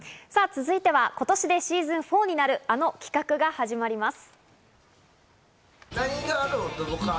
続いては今年でシーズン４になるあの企画が始まります。